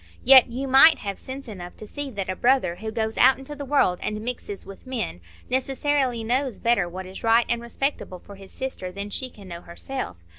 Yet you might have sense enough to see that a brother, who goes out into the world and mixes with men, necessarily knows better what is right and respectable for his sister than she can know herself.